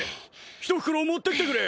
１袋持ってきてくれ！